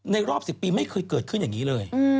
รอบ๑๐ปีไม่เคยเกิดขึ้นอย่างนี้เลย